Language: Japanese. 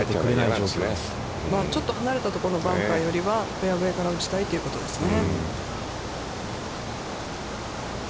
ちょっと離れたところ、バンカーよりは、フェアウェイから打ちたいということですね。